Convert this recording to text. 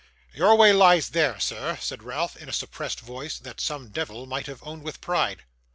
'Your way lies there, sir,' said Ralph, in a suppressed voice, that some devil might have owned with pride.